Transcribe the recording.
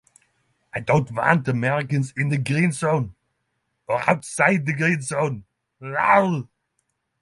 I don't want Americans in the Green Zone, or outside the Green Zone.